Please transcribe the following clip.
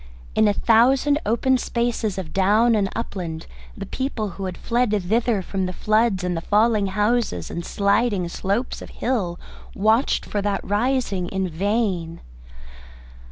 In a thousand open spaces of down and upland the people who had fled thither from the floods and the falling houses and sliding slopes of hill watched for that rising in vain.